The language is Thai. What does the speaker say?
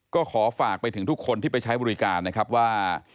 ก็ขอฝากไปถึงทุกคนที่ไปใช้บริการนะครับว่า